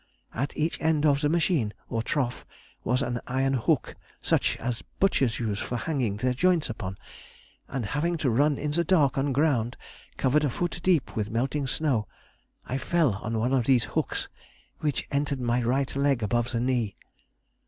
At each end of the machine or trough was an iron hook, such as butchers use for hanging their joints upon, and having to run in the dark on ground covered a foot deep with melting snow, I fell on one of these hooks, which entered my right leg above the knee.